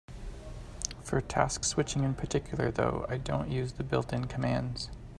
For task switching in particular, though, I don't use the built-in commands.